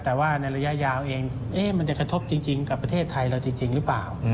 แต่ว่าในระยะยาวเองมันจะกระทบจริงกับประเทศไทยเราจริงหรือเปล่า